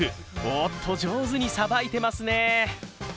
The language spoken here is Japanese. おっと、上手にさばいてますね。